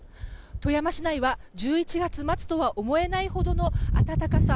富山市内は１１月末とは思えないほどの暖かさ。